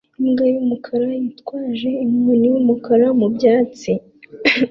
Imbwa y'umukara yitwaje inkoni y'umukara mu byatsi